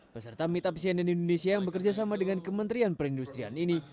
peserta meetup cnn indonesia yang bekerja sama dengan kementerian perindustrian ini